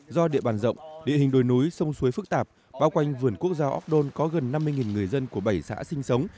do địa bàn rộng địa hình đồi núi sông suối phức tạp bao quanh vườn quốc gia óc đôn có gần năm mươi người dân của bảy xã sinh sống